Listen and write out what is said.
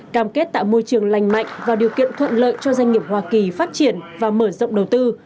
cam kết tạo môi trường lành mạnh và điều kiện thuận lợi cho doanh nghiệp hoa kỳ phát triển và mở rộng đầu tư